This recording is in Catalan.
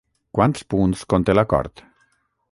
Quants punts conté l'acord?